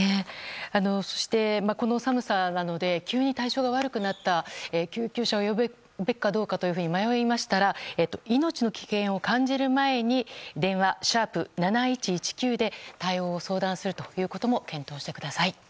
そして、この寒さなので急に体調が悪くなった救急車を呼ぶべきかどうかと迷いましたら命の危険を感じる前に電話「♯７１１９」で対応を相談することも検討してください。